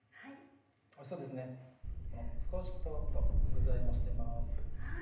おいしそうですね少しとろっと具材もしてます。